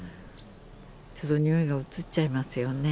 ちょっと臭いがうつっちゃいますよね。